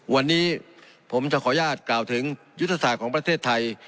วันนี้ผมจะขออนุญาตกล่าวถึงยุทธศาสตร์ของประเทศไทย